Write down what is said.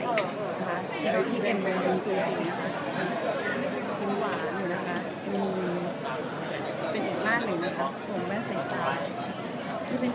ที่เป็นการเดินทางจูกจุดนะคะ